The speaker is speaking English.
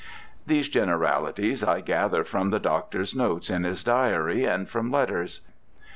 These generalities I gather from the doctor's notes in his diary and from letters.